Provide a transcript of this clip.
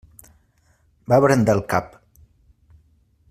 Va brandar el cap.